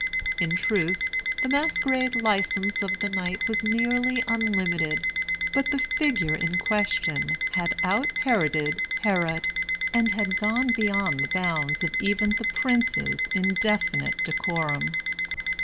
In truth the masquerade license of the night was nearly unlimited; but the figure in question had out Heroded Herod, and gone beyond the bounds of even the prince's indefinite decorum.